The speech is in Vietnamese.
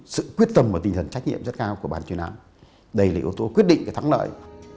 sự quyết tâm và tinh thần trách nhiệm rất cao của bản chuyên án đây là điều tôi quyết định thắng lợi